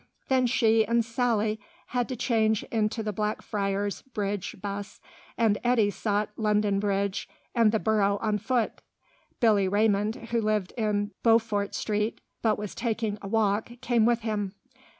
Then she and Sally had to change into the Blackfriars Bridge bus, and Eddy sought London Bridge and the Borough on foot. Billy Raymond, who lived in Beaufort Street, but was taking a walk, came with him.